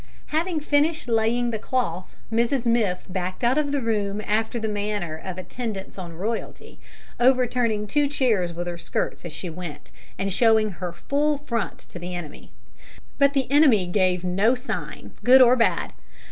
Having finished laying the cloth, Mrs Miff backed out of the room after the manner of attendants on royalty, overturning two chairs with her skirts as she went, and showing her full front to the enemy. But the enemy gave no sign, good or bad.